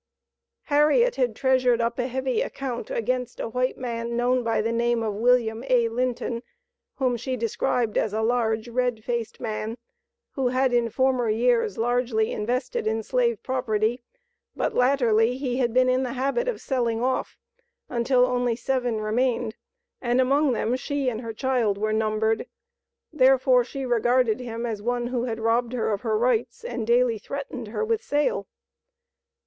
Harriet had treasured up a heavy account against a white man known by the name of William A. Linton, whom she described as a large, red faced man, who had in former years largely invested in slave property, but latterly he had been in the habit of selling off, until only seven remained, and among them she and her child were numbered; therefore, she regarded him as one who had robbed her of her rights, and daily threatened her with sale.